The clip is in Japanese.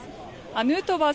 ヌートバー